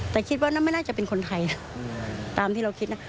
แต่คิดว่าไม่น่าจะเป็นคนไทยตามที่เราคิดนะ